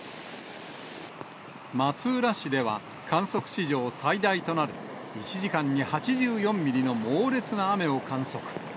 松浦市では観測史上最大となる、１時間に８４ミリの猛烈な雨を観測。